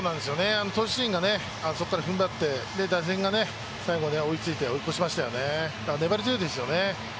投手陣がそこから踏ん張って、打者がそこから追い越しましたよね粘り強いですよね。